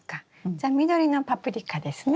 じゃあ緑のパプリカですね？